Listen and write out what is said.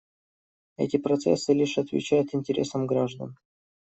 Эти процессы лишь отвечают интересам граждан.